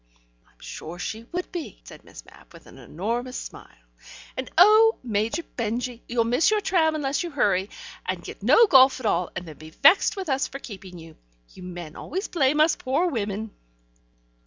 "I'm sure she would be," said Miss Mapp, with an enormous smile. "And, oh, Major Benjy, you'll miss your tram unless you hurry, and get no golf at all, and then be vexed with us for keeping you. You men always blame us poor women."